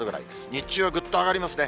日中はぐっと上がりますね。